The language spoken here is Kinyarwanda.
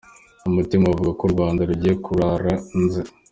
umutima bavuga ko u Rwanda rugiye kurara nze